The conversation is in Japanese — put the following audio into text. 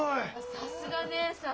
さすが義姉さん。